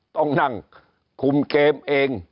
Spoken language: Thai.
ต้องนั่งคุมเกมเอง